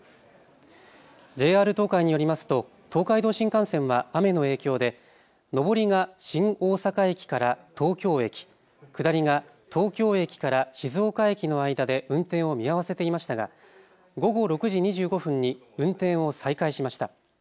ＪＲ東海によりますと東海道新幹線は雨の影響で上りが新大阪駅から東京駅、下りが東京駅から静岡駅の間で運転を見合わせていましたが午後６時２５分に運転を再開しました。